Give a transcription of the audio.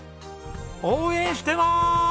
応援してまーす！